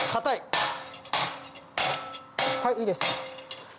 はいいいです。